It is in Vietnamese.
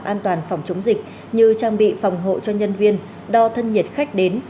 an toàn phòng chống dịch như trang bị phòng hộ cho nhân viên đo thân nhiệt khách đến